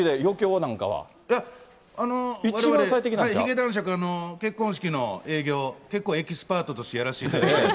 髭男爵、結婚式の営業、結構エキスパートとしてやらせていただいてるので。